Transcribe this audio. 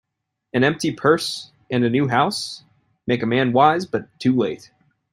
An empty purse, and a new house, make a man wise, but too late.